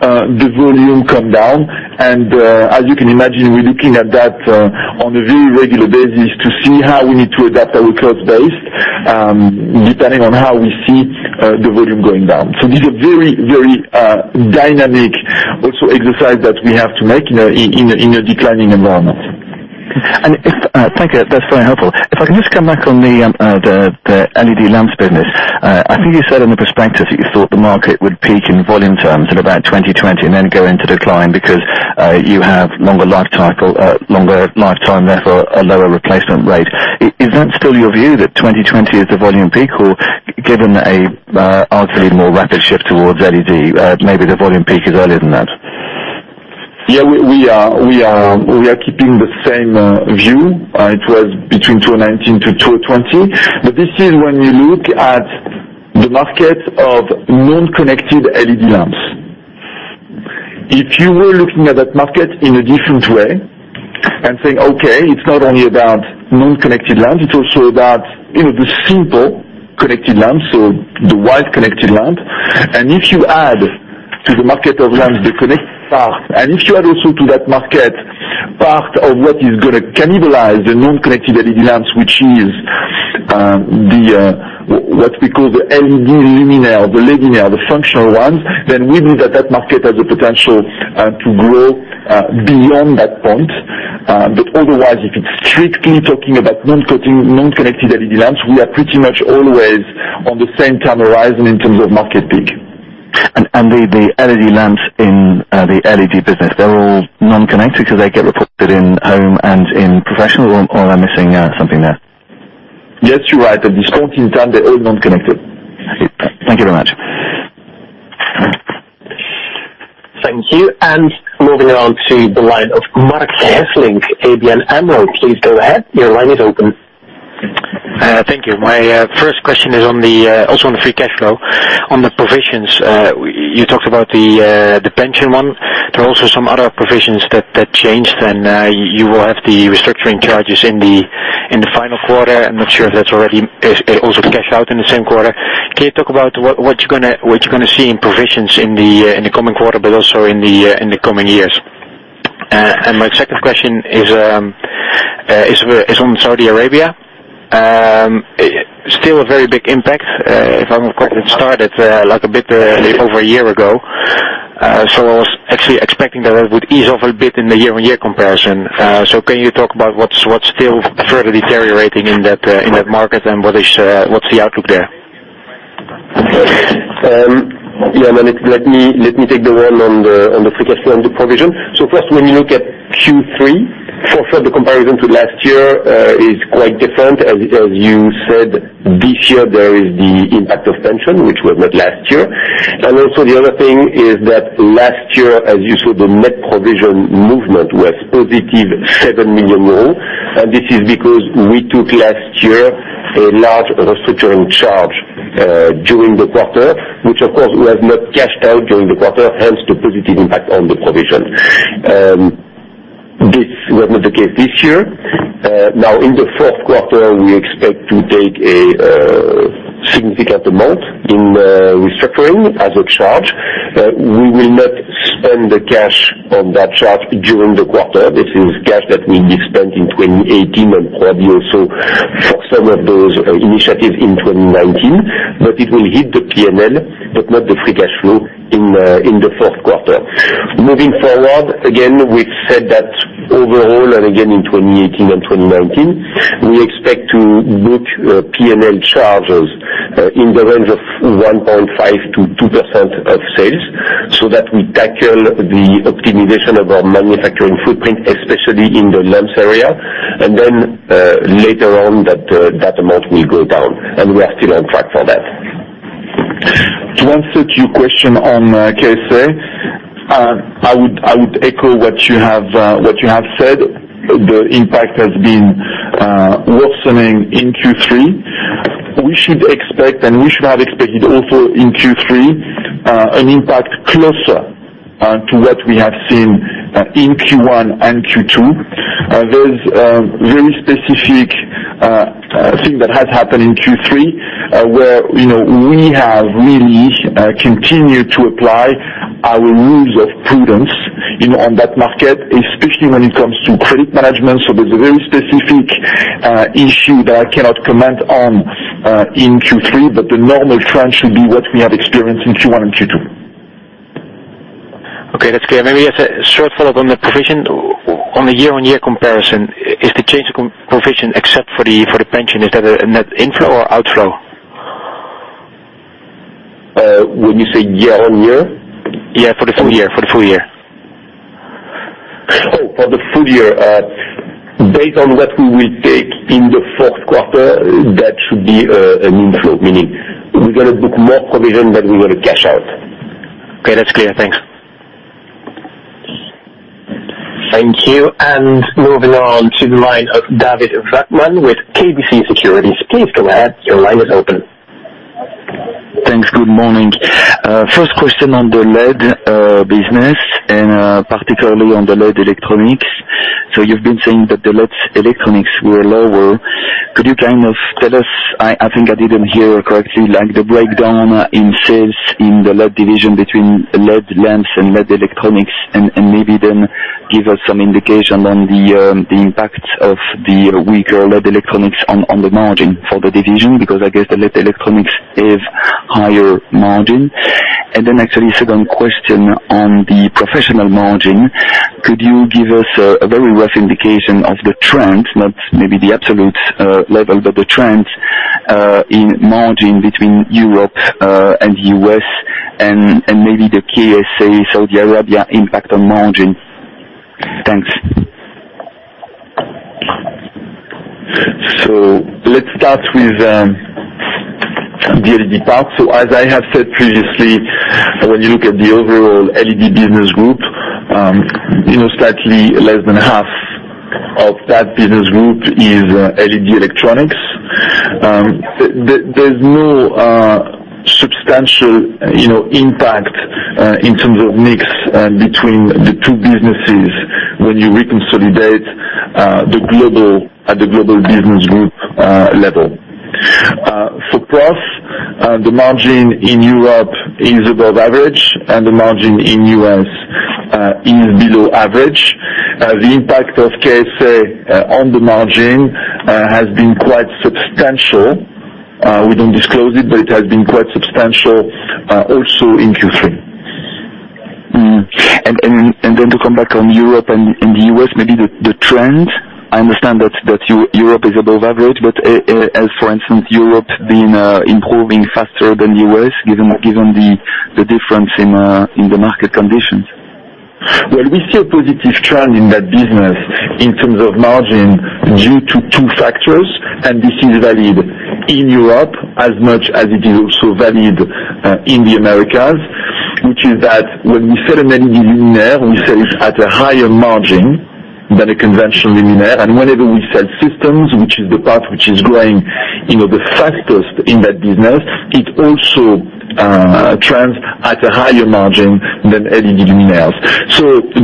the volume come down. As you can imagine, we're looking at that on a very regular basis to see how we need to adapt our cost base, depending on how we see the volume going down. These are very dynamic also exercise that we have to make in a declining environment. Thank you. That's very helpful. If I can just come back on the LED Lamps business. I think you said in the prospectus that you thought the market would peak in volume terms at about 2020, and then go into decline because you have longer lifetime, therefore, a lower replacement rate. Is that still your view that 2020 is the volume peak or given a arguably more rapid shift towards LED, maybe the volume peak is earlier than that? Yeah, we are keeping the same view. It was between 2019-2020. This is when you look at the market of non-connected LED Lamps. If you were looking at that market in a different way and saying, okay, it's not only about non-connected Lamps, it's also about the simple connected Lamps, so the wide connected lamp. If you add to the market of Lamps the connected part, and if you add also to that market part of what is going to cannibalize the non-connected LED Lamps, which is what we call the LED luminaire, the luminaire, the functional ones, then we believe that that market has the potential to grow beyond that point. Otherwise, if it's strictly talking about non-connected LED Lamps, we are pretty much always on the same time horizon in terms of market peak. The LED Lamps in the LED business, they're all non-connected because they get reported in Home and in Professional, or am I missing something there? Yes, you're right. At this point in time, they are non-connected. Thank you very much. Thank you. Moving around to the line of Marc Hesselink, ABN AMRO. Please go ahead. Your line is open. Thank you. My first question is also on the free cash flow. On the provisions, you talked about the pension one. There are also some other provisions that changed, and you will have the restructuring charges in the final quarter. I'm not sure if that's already also cashed out in the same quarter. Can you talk about what you're going to see in provisions in the coming quarter, but also in the coming years? My second question is on Saudi Arabia. Still a very big impact, if I'm correct. It started a bit over a year ago. I was actually expecting that it would ease off a bit in the year-on-year comparison. Can you talk about what's still further deteriorating in that market and what's the outlook there? Let me take the one on the free cash flow and the provision. First, when you look at Q3, for sure the comparison to last year is quite different. As you said, this year there is the impact of pension, which was not last year. Also the other thing is that last year, as you saw, the net provision movement was positive 7 million euros. This is because we took last year a large restructuring charge during the quarter, which of course we have not cashed out during the quarter, hence the positive impact on the provision. This was not the case this year. In the fourth quarter, we expect to take a significant amount in restructuring as a charge. We will not spend the cash on that charge during the quarter. This is cash that will be spent in 2018 and probably also for some of those initiatives in 2019. It will hit the P&L, but not the free cash flow in the fourth quarter. Moving forward, again, we've said that overall, again in 2018 and 2019, we expect to book P&L charges in the range of 1.5%-2% of sales so that we tackle the optimization of our manufacturing footprint, especially in the Lamps area. Later on that amount will go down, and we are still on track for that. To answer to your question on KSA, I would echo what you have said. The impact has been worsening in Q3. We should expect, and we should have expected also in Q3, an impact closer to what we have seen in Q1 and Q2. There's a very specific thing that has happened in Q3, where we have really continued to apply our rules of prudence on that market, especially when it comes to credit management. There's a very specific issue that I cannot comment on in Q3, but the normal trend should be what we have experienced in Q1 and Q2. Okay, that's clear. Maybe just a short follow-up on the provision. On the year-on-year comparison, is the change of provision except for the pension, is that a net inflow or outflow? When you say year-on-year? Yeah, for the full year. Oh, for the full year. Based on what we will take in the fourth quarter, that should be an inflow, meaning we're going to book more provision than we're going to cash out. Okay. That's clear. Thanks. Thank you. Moving on to the line of David Vatman with KBC Securities. Please go ahead. Your line is open. Thanks. Good morning. First question on the LED business, particularly on the LED electronics. You've been saying that the LED electronics were lower. Could you kind of tell us, I think I didn't hear correctly, the breakdown in sales in the LED division between LED lamps and LED electronics, and maybe then give us some indication on the impact of the weaker LED electronics on the margin for the division? Because I guess the LED electronics is higher margin. Second question on the Professional margin, could you give us a very rough indication of the trend, not maybe the absolute level, but the trend in margin between Europe and U.S. and maybe the KSA, Saudi Arabia impact on margin. Thanks. Let's start with the LED part. As I have said previously, when you look at the overall LED business group, slightly less than half of that business group is LED electronics. There's no substantial impact in terms of mix between the two businesses when you reconsolidate at the global business group level. For Professional, the margin in Europe is above average and the margin in U.S. is below average. The impact of KSA on the margin has been quite substantial. We don't disclose it, but it has been quite substantial also in Q3. To come back on Europe and the U.S., maybe the trend. I understand that Europe is above average, but has, for instance, Europe been improving faster than U.S. given the difference in the market conditions? Well, we see a positive trend in that business in terms of margin due to two factors, this is valid in Europe as much as it is also valid in the Americas, which is that when we sell an LED luminaire, we sell it at a higher margin than a conventional luminaire. Whenever we sell systems, which is the part which is growing the fastest in that business, it also trends at a higher margin than LED luminaires.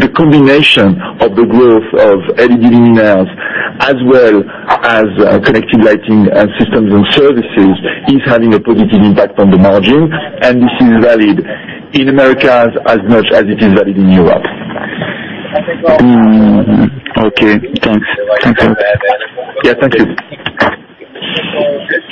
The combination of the growth of LED luminaires as well as connected lighting and systems and services is having a positive impact on the margin, and this is valid in Americas as much as it is valid in Europe. Okay. Thanks.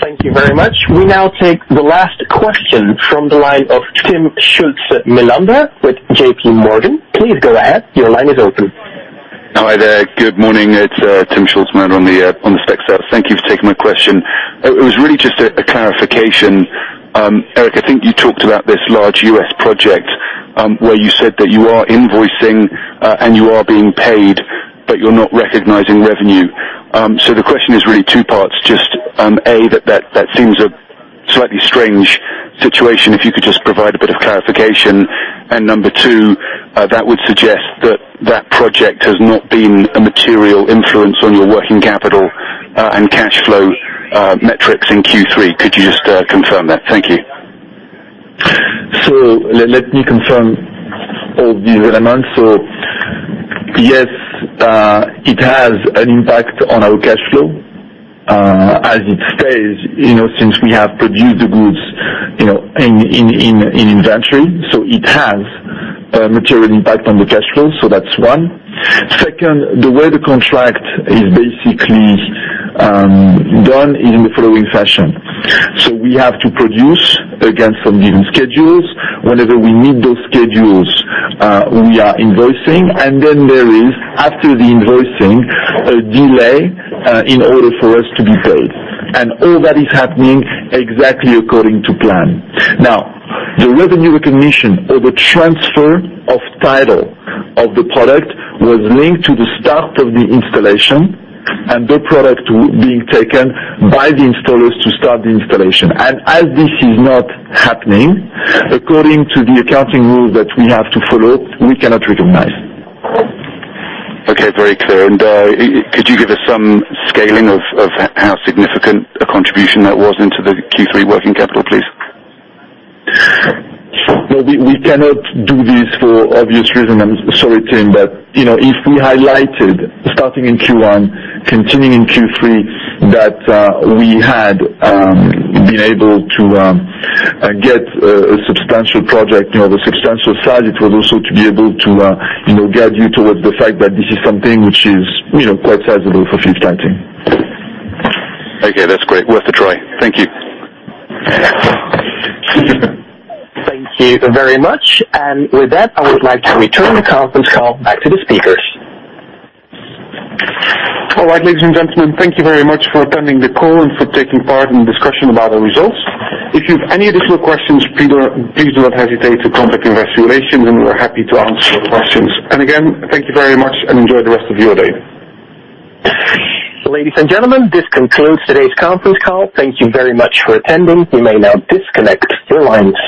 Thank you very much. We now take the last question from the line of Timm Schulze-Melander with JPMorgan. Please go ahead. Your line is open. Hi there. Good morning. It's Timm Schulze-Melander on the. [inaudible] Thank you for taking my question. It was really just a clarification. Eric, I think you talked about this large U.S. project, where you said that you are invoicing and you are being paid, but you're not recognizing revenue. The question is really two parts, just, A, that seems a slightly strange situation, if you could just provide a bit of clarification. Number two, that would suggest that that project has not been a material influence on your working capital and cash flow metrics in Q3. Could you just confirm that? Thank you. Let me confirm all these elements. Yes, it has an impact on our cash flow. As it says, since we have produced the goods in inventory, so it has a material impact on the cash flow. That's one. Second, the way the contract is basically done is in the following fashion. We have to produce against some given schedules. Whenever we meet those schedules, we are invoicing, and then there is, after the invoicing, a delay in order for us to be paid. All that is happening exactly according to plan. Now, the revenue recognition or the transfer of title of the product was linked to the start of the installation and the product being taken by the installers to start the installation. As this is not happening, according to the accounting rule that we have to follow, we cannot recognize. Okay. Very clear. Could you give us some scaling of how significant a contribution that was into the Q3 working capital, please? No, we cannot do this for obvious reasons. I'm sorry, Timm, if we highlighted starting in Q1, continuing in Q3, that we had been able to get a substantial project, the substantial size, it was also to be able to guide you towards the fact that this is something which is quite sizable for Philips Lighting. Okay, that's great. Worth a try. Thank you. Thank you very much. With that, I would like to return the conference call back to the speakers. All right, ladies and gentlemen. Thank you very much for attending the call and for taking part in the discussion about our results. If you've any additional questions, please do not hesitate to contact investor relations, and we're happy to answer your questions. Again, thank you very much and enjoy the rest of your day. Ladies and gentlemen, this concludes today's conference call. Thank you very much for attending. You may now disconnect your lines.